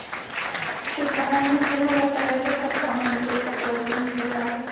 Před zahájením filmové kariéry pracoval na několika televizních seriálech.